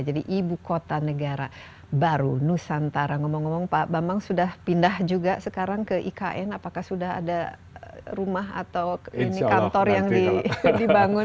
jadi ibu kota negara baru nusantara ngomong ngomong pak bambang sudah pindah juga sekarang ke ikn apakah sudah ada rumah atau kantor yang dibangun